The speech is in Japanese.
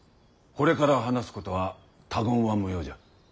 これから話すことは他言は無用じゃ。